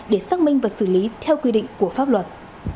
để xác minh và xử lý theo quy định của pháp luật